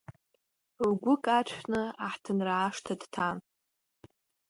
Лгәы каршәны аҳҭынра ашҭа дҭан…